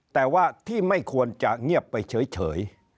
แต่ว่าที่ไม่ควรจะเงียบไปเฉย